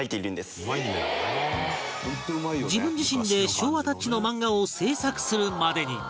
自分自身で昭和タッチの漫画を制作するまでに